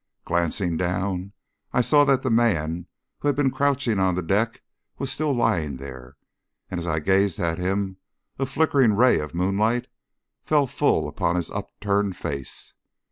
Glancing down, I saw that the man who had been crouching on the deck was still lying there, and as I gazed at him, a flickering ray of moonlight fell full upon his upturned face.